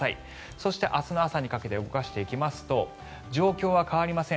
そして、明日の朝にかけて動かしていきますと状況は変わりません。